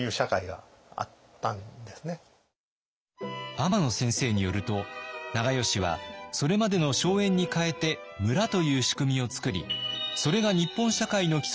天野先生によると長慶はそれまでの荘園に代えて村という仕組みを作りそれが日本社会の基礎として昭和まで続いていたというんです。